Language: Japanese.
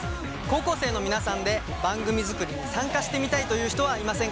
高校生の皆さんで番組作りに参加してみたいという人はいませんか？